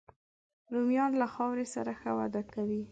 رومیان له خاورې سره ښه وده کوي